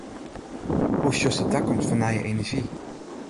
Hoe sjochst de takomst fan nije enerzjy?